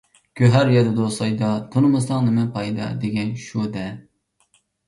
«گۆھەر ياتىدۇ سايدا، تونۇمىساڭ نېمە پايدا» دېگەن شۇ-دە.